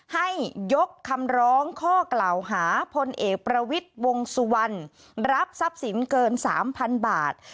ให้ยกคำร้องข้อกล่าวหาพลเอกประวิทย์วงสุวรรณรับทรัพย์สินเกิน๓๐๐๐บาท